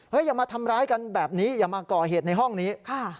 อย่ามาทำร้ายกันแบบนี้อย่ามาก่อเหตุในห้องนี้